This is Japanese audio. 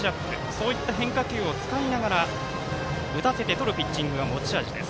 そういった変化球を使いながら打たせてとるピッチングが持ち味です。